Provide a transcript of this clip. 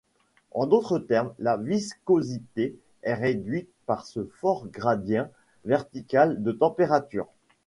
En d'autres termes, la viscosité est réduite par ce fort gradient vertical de température.